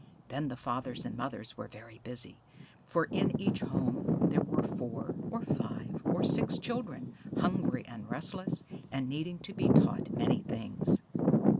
Then the fathers and mothers were very busy, for in each home there were four or five or six children, hungry and restless, and needing to be taught many things.